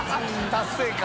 達成感。